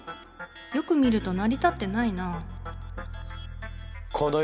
よく見ると成り立ってないな。